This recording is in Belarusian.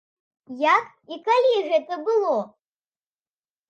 Як і калі гэта было?